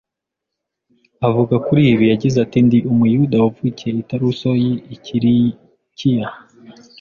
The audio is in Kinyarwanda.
Avuga kuri ibi, yagize ati : “Ndi umuyuda wavukiye i Taruso y’i Kirikiya